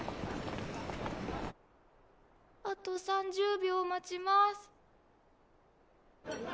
あと３０秒待ちます。